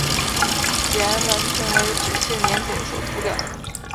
眼完全为脂性眼睑所覆盖。